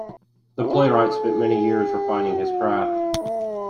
The playwright spent many years refining his craft.